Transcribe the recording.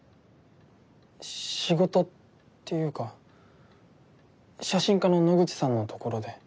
仕事っていうか写真家の野口さんのところで。